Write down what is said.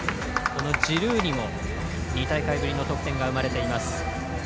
ジルーにも２大会ぶりの得点が生まれています。